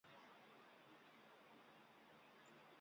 من گیانلەبەرم خۆش دەوێت.